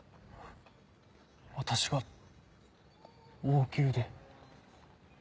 私が王宮で？